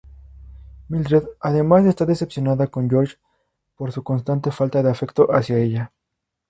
Mildred, además, está decepcionada con George por su constante falta de afecto hacia ella.